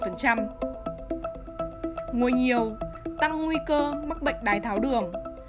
ngồi nhiều tăng nguy cơ mắc bệnh đái tháo đường